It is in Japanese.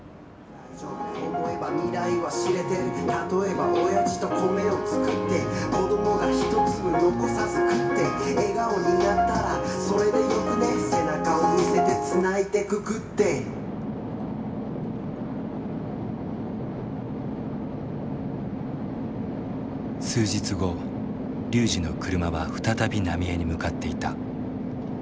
「大丈夫思えば未来は知れている」「例えば親父と米を作って」「子どもが一粒残さず食って」「笑顔になったらそれでよくない」「背中を見せてつないでいくｇｏｏｄｄａｙ」数日後龍司の車は再び浪江に向かっていた。